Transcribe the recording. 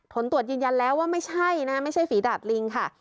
ผลตรวจยืนยันแล้วว่าไม่ใช่นะไม่ใช่ฝีดาดลิงค่ะ